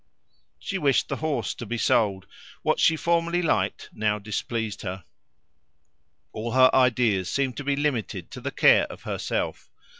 She wished the horse to be sold; what she formerly liked now displeased her. All her ideas seemed to be limited to the care of herself.